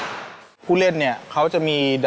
หลังจากที่ได้ผู้เล่นชุดนั้นซ้อมไปแล้วนะครับการเรียกตัว